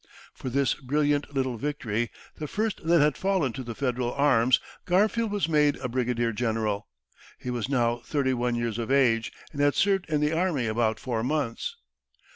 For this brilliant little victory, the first that had fallen to the Federal arms, Garfield was made a brigadier general. He was now thirty one years of age, and had served in the army about four months.